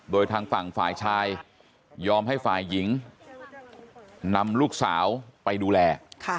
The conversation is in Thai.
โดยทางฝั่งฝ่ายชายยอมให้ฝ่ายหญิงนำลูกสาวไปดูแล